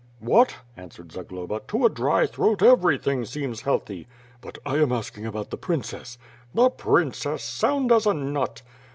"What?" answered Zagloba. "To a dry throat everything seems healthy." "But I am asking about the princess." "The princess, sound as a nut!"